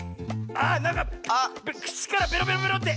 あなんかくちからベロベロベロって。